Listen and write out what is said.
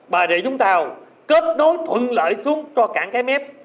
và để chúng ta kết nối thuận lợi xuống cho cảng cái mép